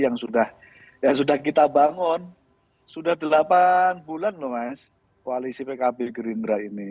yang sudah kita bangun sudah delapan bulan loh mas koalisi pkb gerindra ini